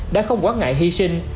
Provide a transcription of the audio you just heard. đã không quán ngại hy sinh